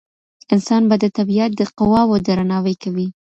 انسانان به د طبيعت د قواوو درناوی کوي.